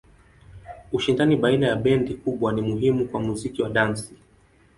Ushindani baina ya bendi kubwa ni muhimu kwa muziki wa dansi.